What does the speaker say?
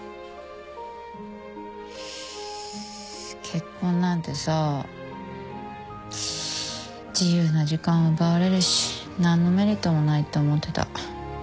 結婚なんてさ自由な時間奪われるし何のメリットもないって思ってた。